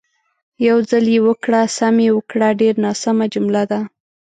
"یو ځل یې وکړه، سم یې وکړه" ډېره ناسمه جمله ده.